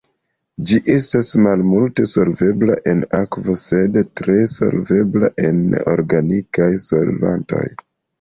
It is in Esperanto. Ĝi estas malmulte solvebla en akvo sed tre solvebla en organikaj solvantoj.